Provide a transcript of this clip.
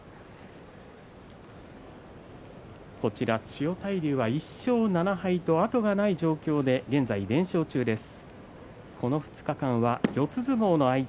千代大龍、１勝７敗と後がない状況で現在、連勝中です。